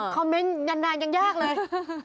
คอมเม้นท์ยันยากเลย